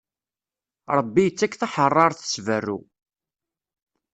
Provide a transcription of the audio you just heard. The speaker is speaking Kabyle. Ṛebbi ittak taḥeṛṛaṛt s berru.